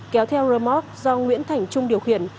kéo theo rơ móc do nguyễn thành trung điều khiển